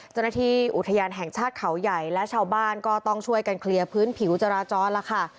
เจ้าหน้าที่อุทยานแห่งชาติเขาใหญ่และชาวบ้านก็ต้องช่วยกันเคลียร์พื้นผิวจราจรแล้วค่ะ